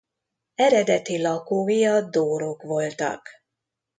Eredeti lakói a dórok voltak.